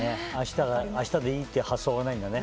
明日でいいって発想がないんだね。